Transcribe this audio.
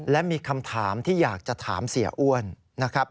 และมีคำถามที่อยากจะถามเสียอ้วนนะครับ